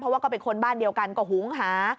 เพราะว่าก็เป็นคนบ้านเดียวกันก็หุงหา